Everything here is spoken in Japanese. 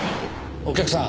お客さん